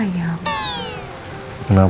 jangan pas dengan